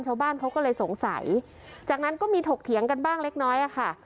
ชาวบ้านเขาก็เลยสงสัยจากนั้นก็มีถกเถียงกันบ้างเล็กน้อยอะค่ะ